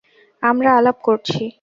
আমরা আলাপ করছি।